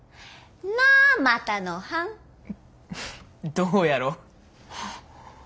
どうやろう？